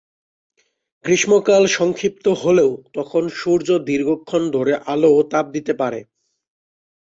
গ্রীষ্মকাল সংক্ষিপ্ত হলেও তখন সূর্য দীর্ঘক্ষণ ধরে আলো ও তাপ দিতে পারে।